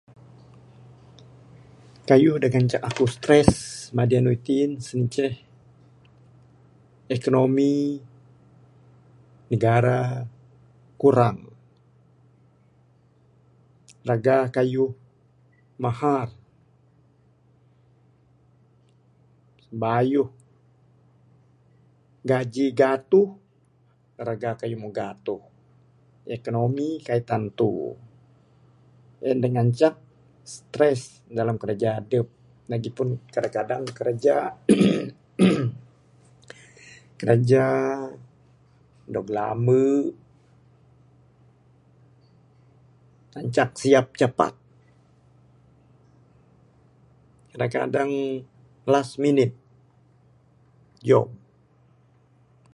Kayuh da ngancak aku stress madi anu itin sien inceh ekonomi negara kurang. Raga kayuh mahar. Sbayuh gaji gatuh, raga kayuh meh gatuh. Ekonomi kaik tantu. En da ngancak stress dalam kiraja adep, lagipun kadang kadang kiraja ehem ehem kiraja dog lame, nancak siap capat. Kadang kadang, last minute yok .